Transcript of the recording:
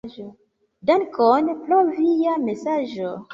Dankon pro via mesaĝo.